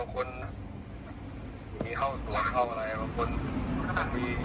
อ๋อครับ